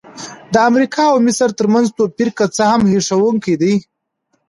د امریکا او مصر ترمنځ توپیرونه که څه هم هیښوونکي دي.